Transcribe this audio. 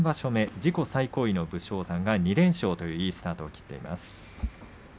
自己最高位の武将山２連勝といういいスタートです。